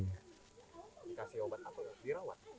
dikasih obat atau dirawat